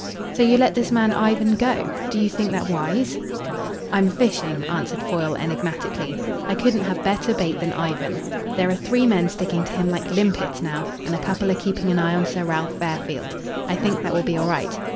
"So you let this man Ivan go? Do you think that wise?" "I'm fishing," answered Foyle enigmatically. "I couldn't have better bait than Ivan. There are three men sticking to him like limpets now, and a couple are keeping an eye on Sir Ralph Fairfield. I think that will be all right.